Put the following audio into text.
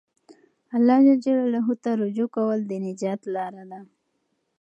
الله ته رجوع کول د نجات لاره ده.